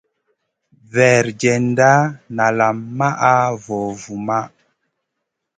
Weerdjenda nalam maʼa vovuma.